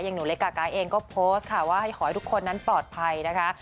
หนูเล็กกาก้าเองก็โพสต์ค่ะว่าให้ขอให้ทุกคนนั้นปลอดภัยนะคะ